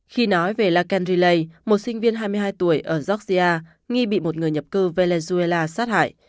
khi nói về là kendri lay một sinh viên hai mươi hai tuổi ở georgia nghi bị một người nhập cư venezuela sát hại